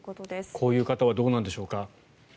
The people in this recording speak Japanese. こういう方はどうなんでしょうか。